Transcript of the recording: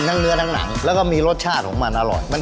จนหมดหนี้ได้เขาทำแบบยังไง